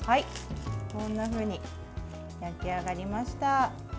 こんなふうに焼き上がりました。